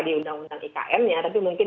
di undang undang ikn nya tapi mungkin